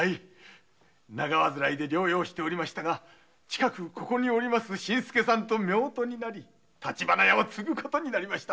長患いで療養していましたが近くこの新助さんと夫婦になり橘屋を継ぐことになりました。